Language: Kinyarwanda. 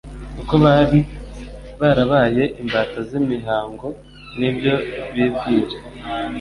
kuko bari barabaye imbata z'imihango n'ibyo bibwira.